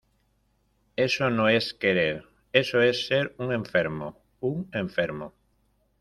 eso no es querer. eso es ser un enfermo . un enfermo .